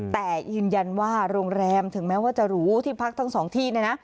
แต่ยืนยันว่าโรงแรมถึงแม้ว่าจะหรูที่พักทั้งสองที่เนี่ยนะ